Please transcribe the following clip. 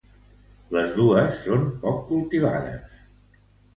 Les dos són poc cultivades.